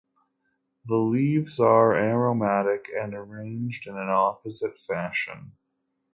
The leaves are aromatic and arranged in an opposite fashion.